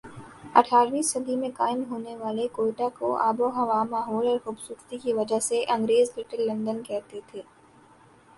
اٹھارہویں صدی میں قائم ہونے والے کوئٹہ کو آب و ہوا ماحول اور خوبصورتی کی وجہ سے انگریز لٹل لندن کہتے تھے